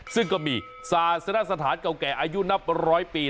ซึ่งก็มีสถานศาสตร์เก่าอายุนับ๑๐๐ปี